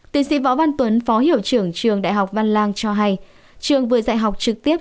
tiến sĩ võ văn tuấn phó hiệu trưởng trường đại học văn lang cho hay trường vừa dạy học trực tiếp